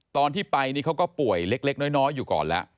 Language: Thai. ตอนที่ไปนี่เขาก็ป่วยเล็กน้อยอยู่ก่อนแล้ว